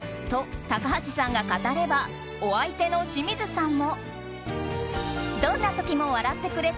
と、高橋さんが語ればお相手の清水さんも。